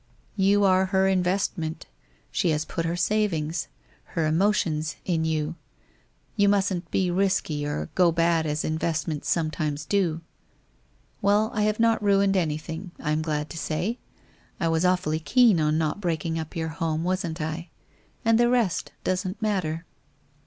You are her investment, she has put her savings — her emotions in you, you mustn't be risky or go bad as investments some times do. Well, I have not ruined anything, I am glad to say. I was awfully keen on not breaking up your home, wasn't I? And the rest doesn't matter.